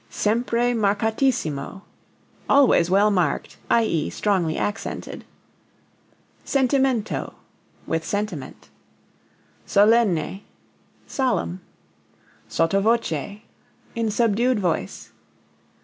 Sempre marcatissimo always well marked, i.e., strongly accented. Sentimento with sentiment. Solenne solemn. Sotto voce in subdued voice.